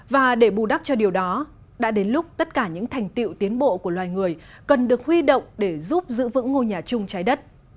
và để bù đắp cho điều đó đã đến lúc tất cả những thành tiệu tiến bộ của loài người cần được huy động để giúp giữ vững ngôi nhà chung trái đất